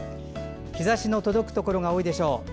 日ざしの届くところが多いでしょう。